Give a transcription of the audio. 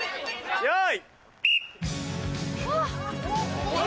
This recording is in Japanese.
よい。